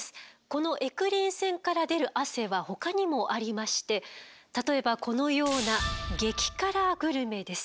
このエクリン腺から出る汗はほかにもありまして例えばこのような激辛グルメです。